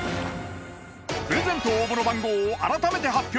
プレゼント応募の番号を改めて発表。